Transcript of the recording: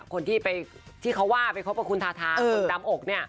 คนที่เขาว่าไปคบกับคุณทาทาเหมือนตามอกเนี่ย